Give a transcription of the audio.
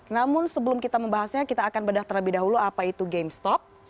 namun sebelum kita membahasnya kita akan bedah terlebih dahulu apa itu gamestop